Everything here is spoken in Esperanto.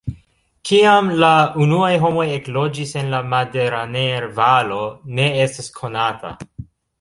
Kiam la unuaj homoj ekloĝis en la Maderaner-Valo ne estas konata.